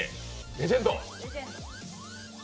レジェンド！